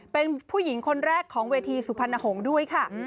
เป็นผู้หญิงคนแรกของเวทีสุพรรณหงษ์ด้วยค่ะ